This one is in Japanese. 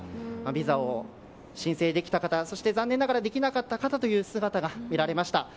ビザを申請できた方残念ながらできなかった方の姿が見られました。